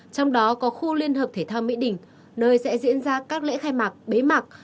trong đó có khu liên hợp thể thao mỹ đình nơi sẽ diễn ra các lễ khai mạc bế mạc